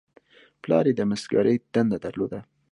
پلار یې د مسګرۍ دنده درلوده.